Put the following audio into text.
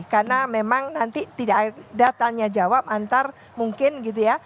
karena memang nanti tidak ada tanya jawab antar mungkin gitu ya